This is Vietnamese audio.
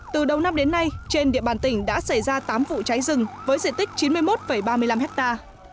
từ đầu năm đến nay trên địa bàn tỉnh đã xảy ra tám vụ cháy rừng với diện tích chín mươi một ba mươi năm ha